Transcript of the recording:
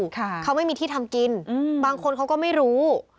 ค่ะเขาไม่มีที่ทำกินอืมบางคนเขาก็ไม่รู้